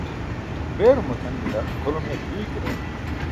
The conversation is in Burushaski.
beerum matʰan bila kʰolum yaṭe duykarar?